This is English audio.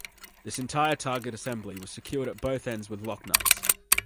This entire target assembly was secured at both ends with locknuts.